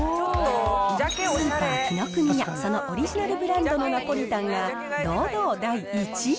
スーパー紀ノ国屋、そのオリジナルブランドのナポリタンが堂々第１位。